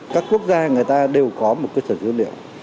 các quốc gia người ta đều có một cơ sở dữ liệu